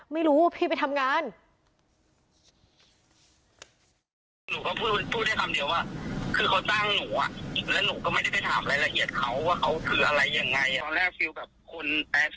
ไม่รู้พี่ไปทำงาน